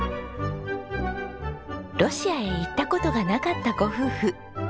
ロシアへ行った事がなかったご夫婦。